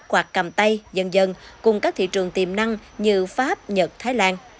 quạt cầm tay dần dần cùng các thị trường tiềm năng như pháp nhật thái lan